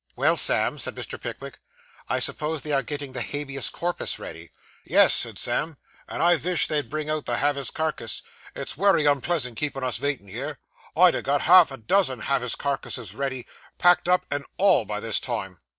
'Well, Sam,' said Mr. Pickwick, 'I suppose they are getting the Habeas corpus ready?' 'Yes,' said Sam, 'and I vish they'd bring out the have his carcase. It's wery unpleasant keepin' us vaitin' here. I'd ha' got half a dozen have his carcases ready, pack'd up and all, by this time.